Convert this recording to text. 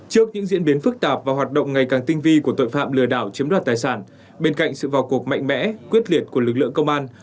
trước những diễn biến phức tạp và hoạt động ngày càng tinh vi của tội phạm lừa đảo chiếm đoạt tài sản bên cạnh sự vào cuộc mạnh mẽ quyết liệt của lực lượng công an